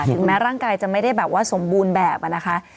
ถึงแม้ร่างกายจะไม่ได้แบบว่าสมบูรณ์แบบนะคะ